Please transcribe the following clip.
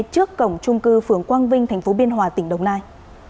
trước cổng trung cư phường quang vinh tp biên hòa tỉnh đồng nai